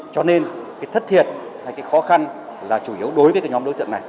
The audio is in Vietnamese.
cho nên cái thất thiệt hay cái khó khăn là chủ yếu đối với cái nhóm đối tượng này